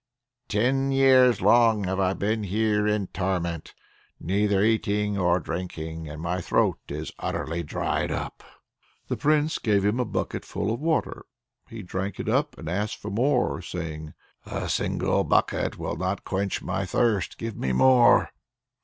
Ten years long have I been here in torment, neither eating or drinking; my throat is utterly dried up." The Prince gave him a bucketful of water; he drank it up and asked for more, saying: "A single bucket of water will not quench my thirst; give me more!"